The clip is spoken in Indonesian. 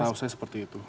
setahu saya seperti itu